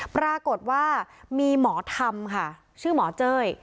ปรากฏว่ามีหมอธรรมค่ะชื่อหมอเจ้ย